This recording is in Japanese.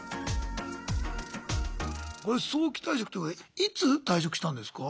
これ早期退職っていうのはいつ退職したんですか？